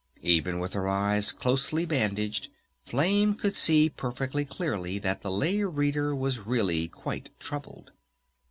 Even with her eyes closely bandaged Flame could see perfectly clearly that the Lay Reader was really quite troubled.